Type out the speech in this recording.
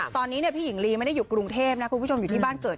ตอนนี้พี่หญิงลีไม่ได้อยู่กรุงเทพนะคุณผู้ชมอยู่ที่บ้านเกิด